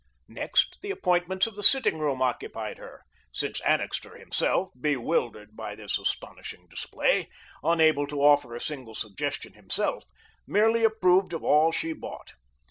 Next the appointments of the sitting room occupied her since Annixter, himself, bewildered by this astonishing display, unable to offer a single suggestion himself, merely approved of all she bought.